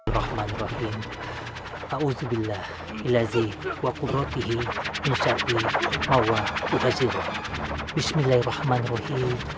bahwa ngerahin taudzubillah ilazi waqurratihi insya'abih mawa'u'adzim bismillahirrahmanirrahim